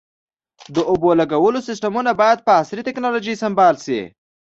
د اوبو لګولو سیستمونه باید په عصري ټکنالوژۍ سنبال شي.